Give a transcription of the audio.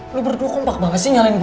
eh lo berdua kompak banget sih nyalain gue